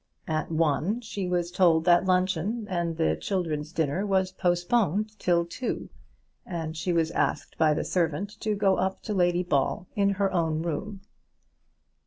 At one she was told that luncheon and the children's dinner was postponed till two, and she was asked by the servant to go up to Lady Ball in her own room.